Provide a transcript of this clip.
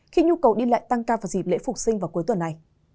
khi nhu cầu đi lại tăng cao vào dịp lễ phục sinh vào cuối tuần này